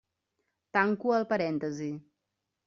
Tanco el parèntesi.